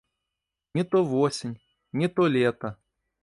Не то восень, не то лета.